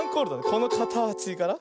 このかたちから。